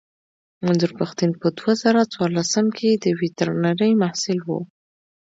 منظور پښتين په دوه زره څوارلسم کې د ويترنرۍ محصل و.